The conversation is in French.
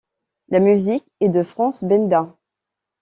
La musique est de Frances Benda.